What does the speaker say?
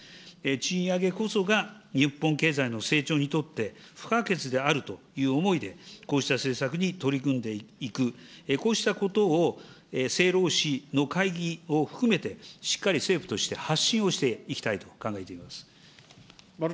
賃上げこそが日本経済の成長にとって、不可欠であるという思いで、こうした政策に取り組んでいく、こうしたことを政労使の会議を含めて、しっかり政府として発信をしていきたいと考えています。